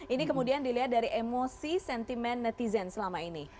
ini kemudian dilihat dari emosi sentimen netizen selama ini